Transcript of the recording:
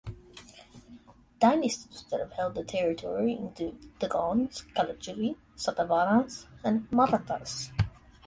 Dynasties that have held the territory include the Gonds Kalachuri, Satavahanas, and Marathas.